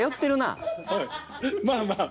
まあまあ。